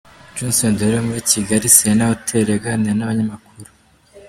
Jason Derulo muri Kigali Serena Hotel, aganira n'abanyamakuru.